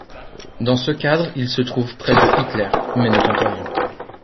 Dans ce cadre, il se trouve près de Hitler, mais ne tente rien.